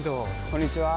こんにちは。